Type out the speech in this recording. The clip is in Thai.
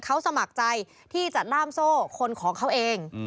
เขาสมัครใจที่จะล่ามโซ่คนของเขาเอง